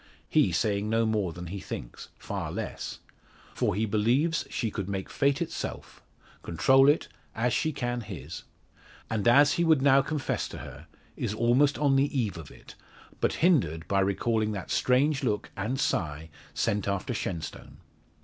He saying no more than he thinks; far less. For he believes she could make fate itself control it, as she can his. And as he would now confess to her is almost on the eve of it but hindered by recalling that strange look and sigh sent after Shenstone.